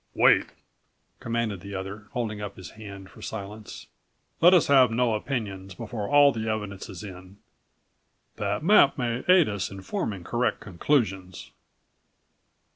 "Wait!" commanded the other, holding up his hand for silence. "Let us have no opinions before all of the evidence is in. That map may aid us in forming correct conclusions."